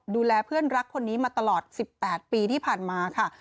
ดูแลเพื่อนรักคนนี้มาตลอด๑๘ปีที่ผ่านมาค่ะ